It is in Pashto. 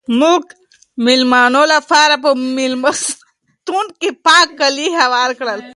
موږ د مېلمنو لپاره په مېلمستون کې پاک کالي هوار کړل.